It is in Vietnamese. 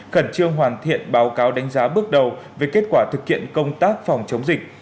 khẩn trương hoàn thiện báo cáo đánh giá bước đầu về kết quả thực hiện công tác phòng chống dịch